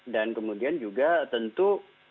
dan kemudian juga tentu